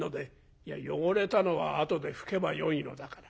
「いや汚れたのは後で拭けばよいのだから。